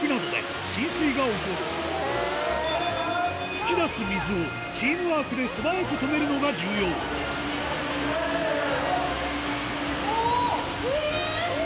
噴き出す水をチームワークで素早く止めるのが重要えぇ！